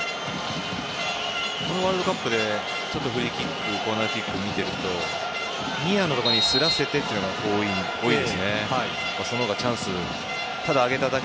このワールドカップでちょっとフリーキックコーナーキックを見ているとニアのところにそらせてというところが多いんですね。